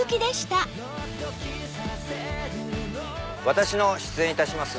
私の出演いたします